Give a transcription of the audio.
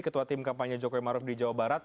ketua tim kampanye jokowi maruf di jawa barat